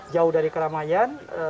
jauh dari keramaian